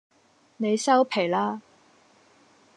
你收皮啦